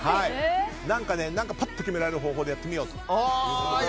何か、パッと決められる方法でやってみようと。